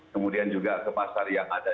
kemudian juga ke pasar yang ada